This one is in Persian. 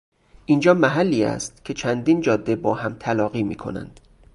اینجا محلی است که چندین جاده با هم تلاقی میکنند.